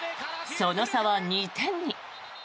その差は２点に。